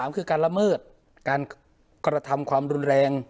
คือการละเมิดการกระทำความรุนแรง